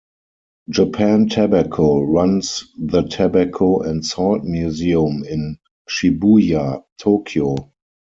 Japan Tobacco runs the Tobacco and Salt Museum in Shibuya, Tokyo.